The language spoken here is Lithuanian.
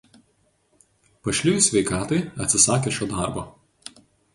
Pašlijus sveikatai atsisakė šio darbo.